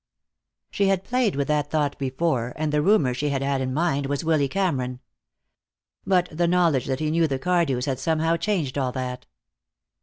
She had played with that thought before, and the roomer she had had in mind was Willy Cameron. But the knowledge that he knew the Cardews had somehow changed all that.